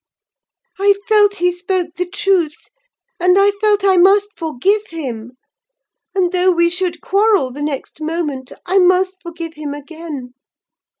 "I felt he spoke the truth; and I felt I must forgive him: and, though we should quarrel the next moment, I must forgive him again.